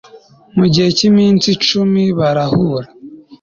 mu gihe cy iminsi icumi barahura